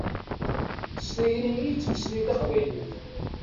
S tayri i yettmeslay taqbaylit.